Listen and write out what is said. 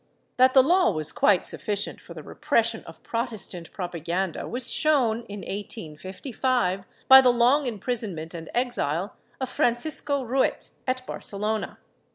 ^ That the law was quite sufficient for the repression of Protestant propaganda was shown, in 1855 by the long imprison ment and exile of Francisco Ruet at Barcelona.